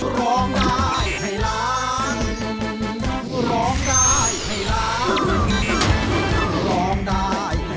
ร้องได้ให้ร้าน